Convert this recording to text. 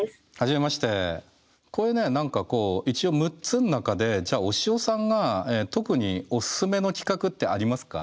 これね何かこう一応６つの中でじゃあおしおさんが特におすすめの企画ってありますか？